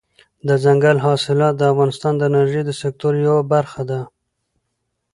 دځنګل حاصلات د افغانستان د انرژۍ د سکتور یوه برخه ده.